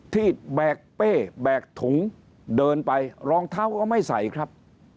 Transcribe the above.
แบกเป้แบกถุงเดินไปรองเท้าก็ไม่ใส่ครับ